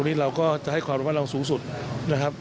เราก็จะให้ความรับรับรังสูงสุดนะครับ